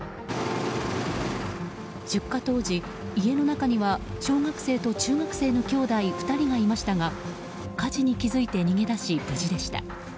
出火当時、家の中には小学生と中学生のきょうだい２人がいましたが火事に気付いて逃げ出し無事でした。